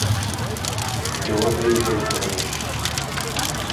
Eu odeio ver tênis.